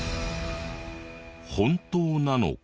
本当なのか？